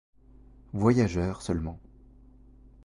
Voyageurs seulement.